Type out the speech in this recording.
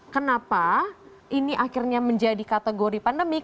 kenapa ini akhirnya menjadi kategori pandemik